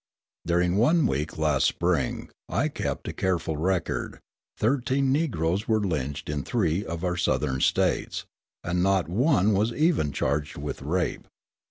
During one week last spring, when I kept a careful record, thirteen Negroes were lynched in three of our Southern States; and not one was even charged with rape.